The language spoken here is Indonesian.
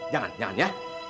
jangan jangan ya